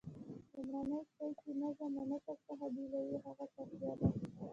لومړنی شی چې نظم له نثر څخه بېلوي هغه قافیه ده.